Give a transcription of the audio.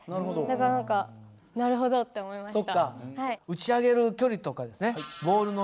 だから何かなるほどって思いました。